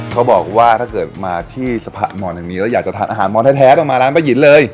เขาบอกว่าถ้าเกิดมาที่สะพะมอนแห่งนี้แล้วอยากจะทานอาหารมอนแท้ต้องมาร้านป้ายหินเลย